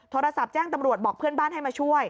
โทรศัพท์แจ้งตำรวจบอกเพื่อนบ้านให้มาช่วย